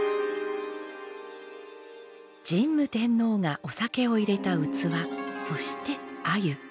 神武天皇がお酒を入れた器そして鮎。